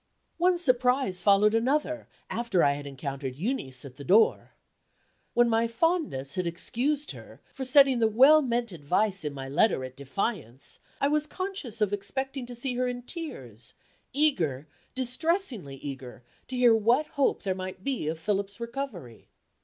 One surprise followed another, after I had encountered Euneece at the door. When my fondness had excused her for setting the well meant advice in my letter at defiance, I was conscious of expecting to see her in tears; eager, distressingly eager, to hear what hope there might be of Philip's recovery.